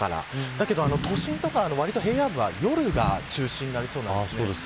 だけど都心とか平野部は夜が中心になりそうなんです。